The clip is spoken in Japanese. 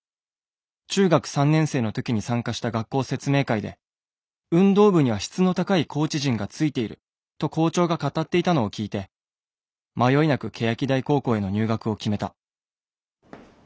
中学３年生の時に参加した学校説明会で『運動部には質の高いコーチ陣がついている』と校長が語っていたのを聞いて迷いなく欅台高校への入学を決めた。